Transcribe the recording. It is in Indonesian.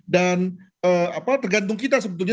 dan tergantung kita sebetulnya